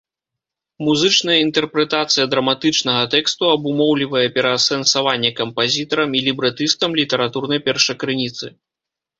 Музычная інтэрпрэтацыя драматычнага тэксту абумоўлівае пераасэнсаванне кампазітарам і лібрэтыстам літаратурнай першакрыніцы.